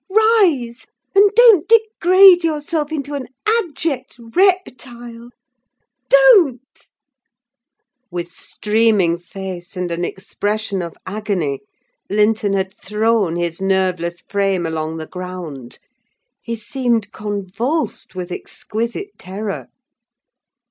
Rise, and don't degrade yourself into an abject reptile—don't!" With streaming face and an expression of agony, Linton had thrown his nerveless frame along the ground: he seemed convulsed with exquisite terror.